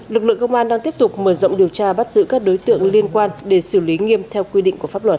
lực lượng công an đang tiếp tục mở rộng điều tra bắt giữ các đối tượng liên quan để xử lý nghiêm theo quy định của pháp luật